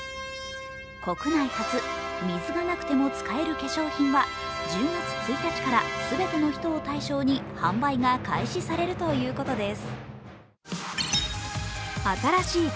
国内初、水がなくても使える化粧品は１０月１日から全ての人を対象に販売が開始されるということです。